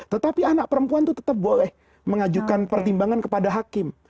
tetapi anak perempuan itu tetap boleh mengajukan pertimbangan kepada hakim